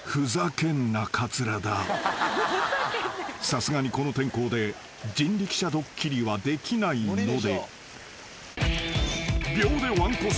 ［さすがにこの天候で人力車ドッキリはできないので］